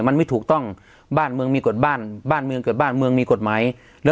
มันไม่ถูกต้องบ้านเมืองมีกฎบ้านบ้านเมืองเกิดบ้านเมืองมีกฎหมายแล้ว